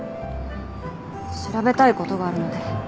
調べたいことがあるので。